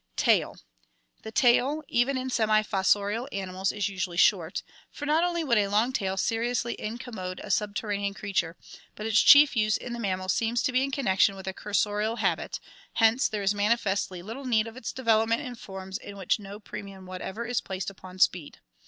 Tail. — The tail, even in semi fossorial animals, is usually short, for not only would a long tail seriously incommode a subterranean creature, but its chief use in the mammal seems to be in connection with a cursorial habit, hence there is manifestly little need of its development in forms in which no premium whatever is placed upon speed.